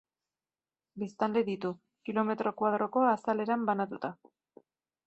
Biztanle ditu, kilometro koadroko azaleran banatuta.